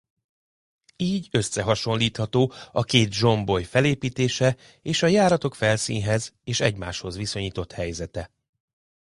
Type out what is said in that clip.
Így összehasonlítható a két zsomboly felépítése és a járatok felszínhez és egymáshoz viszonyított helyzete.